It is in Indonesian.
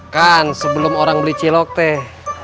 kan sebelum orang beli cilok teh